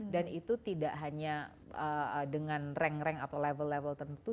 dan itu tidak hanya dengan rang rang atau level level tentu